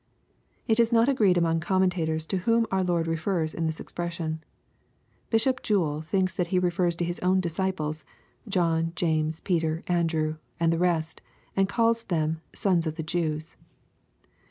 \ It is not agreed among commenta tors to whom our Lord refers in this expression. Bishop Jewel thinks that He refers to His own disciples, John, James, Peter. Andrew, and the rest, and calls them " sons of the Jews.'